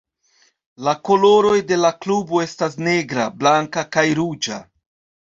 La koloroj de la klubo estas negra, blanka, kaj ruĝa.